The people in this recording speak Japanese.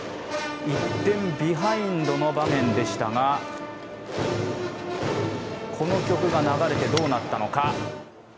１点ビハインドの場面でしたが、この曲が流れて、どうなったのか。